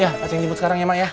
ya acing jemput sekarang ya mak ya